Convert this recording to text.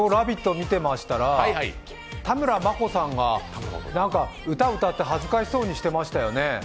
見てましたら田村真子さんが、なんか歌歌って恥ずかしそうにしてましたよね。